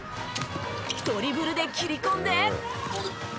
ドリブルで切り込んで。